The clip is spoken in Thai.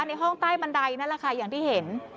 ในห้องใต้บันไดนั่นแหละค่ะอย่างที่เห็น